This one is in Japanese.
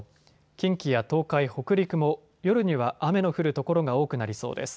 近畿や東海、北陸も夜には雨の降る所が多くなりそうです。